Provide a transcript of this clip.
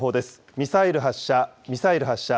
ミサイル発射、ミサイル発射。